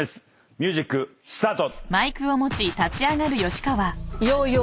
ミュージックスタート！